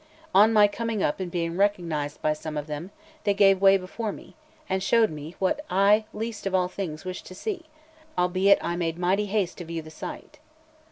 On my coming up and being recognised by some of them, they gave way before me, and showed me what I least of all things wished to see, albeit I made mighty haste to view the sight.